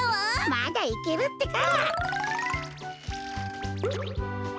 まだいけるってか！